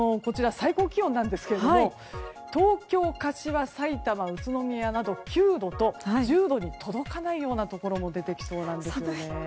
最高気温ですが東京、柏、さいたま、宇都宮など９度と１０度に届かないところも出てきそうです。